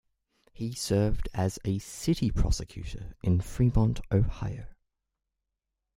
He served as a city prosecutor in Fremont, Ohio.